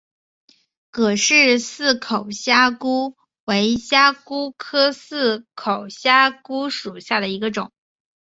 葛氏似口虾蛄为虾蛄科似口虾蛄属下的一个种。